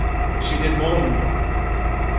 She did more than look.